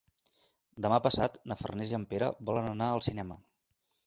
Demà passat na Farners i en Pere volen anar al cinema.